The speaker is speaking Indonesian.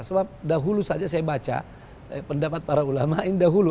sebab dahulu saja saya baca pendapat para ulama ini dahulu